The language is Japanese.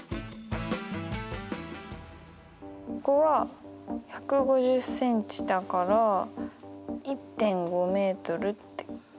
ここは１５０ｃｍだから１．５ｍって。